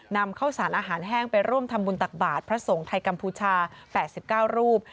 นำเข้าสารอาหารแห้งไปร่วมทำบุญตักบาทพระสงฆ์ไทยกัมพูชา๘๙รูป